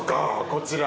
こちら。